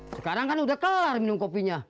sekarang kan udah kelar minum kopinya